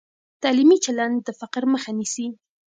تعلیمي چلند د فقر مخه نیسي.